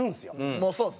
もうそうです。